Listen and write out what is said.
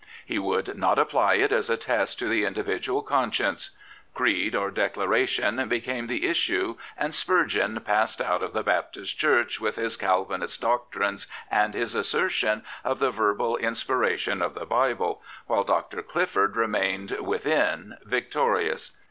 He would not apply it as a test to the individual conscience. " Creed " or " Declara tion " became the issue, and Spurgeon passed out of the Baptist Church with his Calvinist doctrines and his assertion of the verbal inspiration of the Bible, while Dr. Clifford remained within victorious.